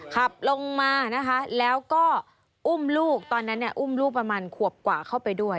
ขับลงมานะคะแล้วก็อุ้มลูกตอนนั้นเนี่ยอุ้มลูกประมาณขวบกว่าเข้าไปด้วย